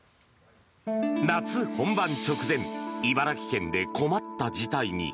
夏本番直前茨城県で困った事態に。